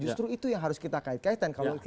justru itu yang harus kita kait kaitan